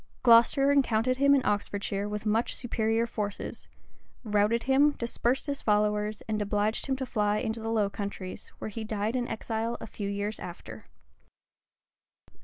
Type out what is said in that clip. Glocester encountered him in Oxfordshire with much superior forces; routed him, dispersed his followers, and obliged him to fly into the Low Countries, where he died in exile a few years after.